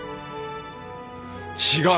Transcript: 違う。